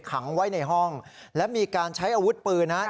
ขังไว้ในห้องและมีการใช้อาวุธปืนนะครับ